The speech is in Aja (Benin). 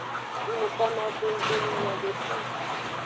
Ng nukonowo be nggbe nu nyode o.